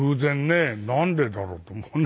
なんでだろう？と思うね。